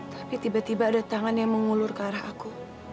tapi tiba tiba ada tangan yang mengulur ke arah aku